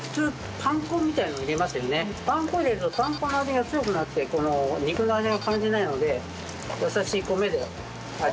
パン粉を入れるとパン粉の味が強くなってこの肉の味を感じないので優しい米で味を引き立てます。